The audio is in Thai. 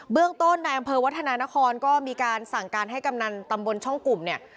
เรื่องต้นในอำเภอวัฒนานครก็มีการสั่งการให้กำนันตำบลช่องกลุ่มเนี่ย